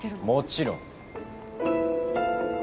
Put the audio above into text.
もちろん。